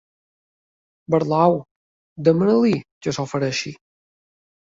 Barlow, demana-li que s'ofereixi.